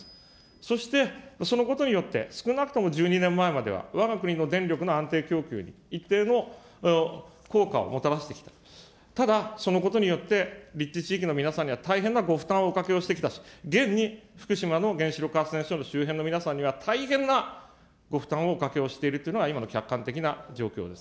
そして、そのことによって、少なくとも１２年前までは、わが国の電力の安定供給に一定の効果をもたらしてきた、ただ、そのことによって、立地地域の皆さんには大変なご負担をおかけをしてきたし、現に福島の原子力発電所の周辺の皆さんには大変なご負担をおかけをしているというのが、今の客観的な状況です。